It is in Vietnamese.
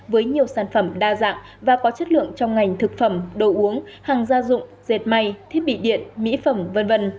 với nhiều sản phẩm đa dạng và có chất lượng trong ngành thực phẩm đồ uống hàng gia dụng dệt may thiết bị điện mỹ phẩm v v